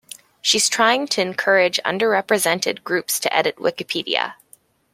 She's trying to encourage underrepresented groups to edit Wikipedia